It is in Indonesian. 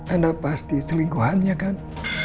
anda pasti selingkuhannya kan